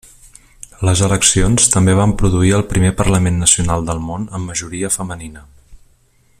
Les eleccions també van produir el primer parlament nacional del món amb majoria femenina.